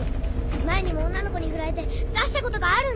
前にも女の子にフラれて出したことがあるんです！